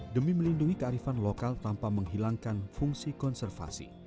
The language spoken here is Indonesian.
demi melindungi kearifan lokal tanpa menghilangkan fungsi konservasi